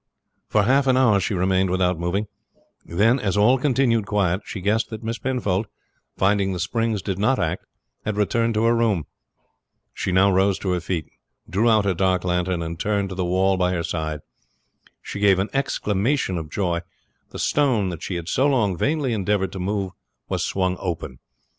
For half an hour she remained without moving; then, as all continued quiet, she guessed that Miss Penfold, finding the springs did not act, had returned to her room. She now rose to her feet, drew out her dark lantern, and turned to the wall by her side. She gave an exclamation of joy the stone that she had so long vainly endeavored to move was swung open.